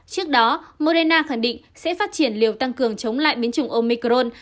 trước đó morena khẳng định sẽ phát triển liều tăng cường chống lại biến chủng omicron